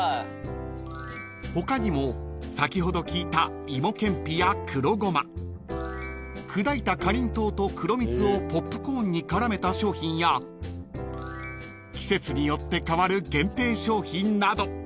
［他にも先ほど聞いた芋けんぴや黒胡麻砕いたかりんとうと黒蜜をポップコーンに絡めた商品や季節によって変わる限定商品など］